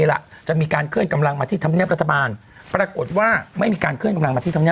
อันนี้คือเขาใส่ตั้งแต่วันที่๑๙